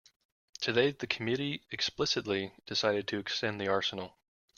Today the committee implicitly decided to extend the arsenal.